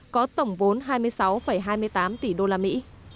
có tổng vốn hai mươi sáu hai mươi tám tỷ đô la mỹ